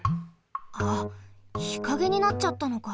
あっ日陰になっちゃったのか。